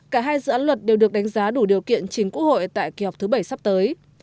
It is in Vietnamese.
cả hai dự án luật đều được đánh giá đủ điều kiện chính quốc hội tại kỳ họp thứ bảy sắp tới